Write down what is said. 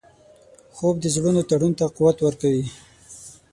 خوب د زړونو تړون ته قوت ورکوي